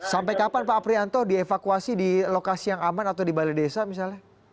sampai kapan pak aprianto dievakuasi di lokasi yang aman atau di balai desa misalnya